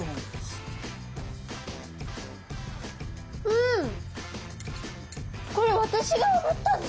うん！